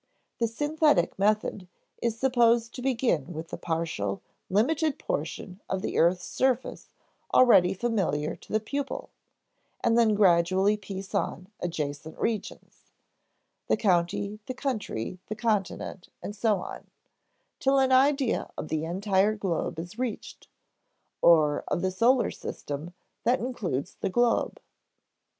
The synthetic method is supposed to begin with the partial, limited portion of the earth's surface already familiar to the pupil, and then gradually piece on adjacent regions (the county, the country, the continent, and so on) till an idea of the entire globe is reached, or of the solar system that includes the globe.